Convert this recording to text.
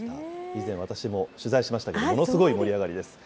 以前、私も取材しましたけど、ものすごい盛り上がりです。